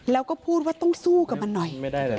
แล้วก็พูดว่าต้องสู้กับมันหน่อย